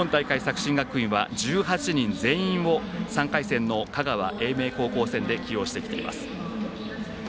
今大会、作新学院は１８人全員を３回戦の香川・英明高校戦で起用してきています。